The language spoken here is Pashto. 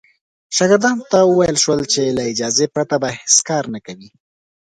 شاګردانو ته وویل شول چې له اجازې پرته به هېڅ کار نه کوي.